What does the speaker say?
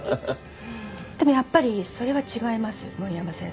でもやっぱりそれは違います森山先生。